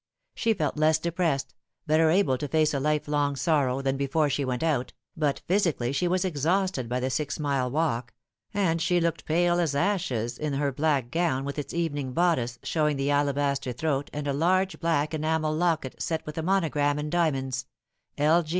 She felt less depressed, better able to face a life long sorrow, than before she went out, but physically she was exhausted by the six mile walk, and she looked pale as ashes in her black gown, with its evening bodice, showing the alabaster throat and a large black enamel locket set with a monogram in diamonds L.